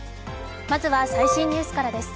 まずは最新ニュースからです。